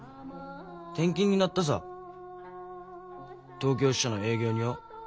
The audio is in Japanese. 転勤になったさ東京支社の営業によ。